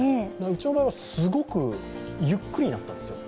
うちの場合はすごくゆっくりだったんですよ。